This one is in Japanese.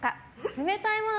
冷たいもの